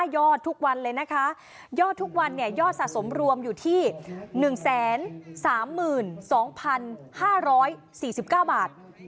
ยอดทุกวันเลยนะคะยอดทุกวันยอดสะสมรวมอยู่ที่๑๓๒๕๔๙บาท